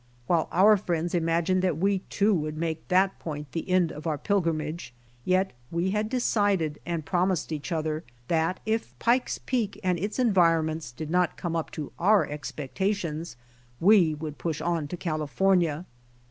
While our friends imagined that we, too, would make that iioint the end of our pilgrimage, yet we had decided and promised each other that if Pike's Peak and its enviponments did not come up to our expectations we would push on to California.